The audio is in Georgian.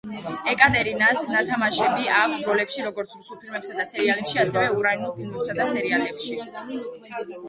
ეკატერინას ნათამაშები აქვს როლები როგორც რუსულ ფილმებსა და სერიალებში, ასევე უკრაინულ ფილმებსა და სერიალებში.